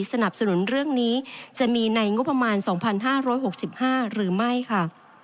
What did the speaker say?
สนับสนุนเรื่องนี้จะมีในงบประมาณ๒๕๖๕หรือไม่ค่ะ